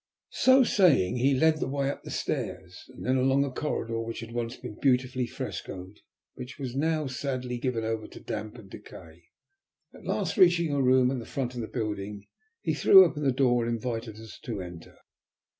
So saying he led the way up the stairs, and then along a corridor, which had once been beautifully frescoed, but which was now sadly given over to damp and decay. At last, reaching a room in the front of the building, he threw open the door and invited us to enter.